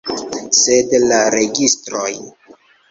Sed la registroj!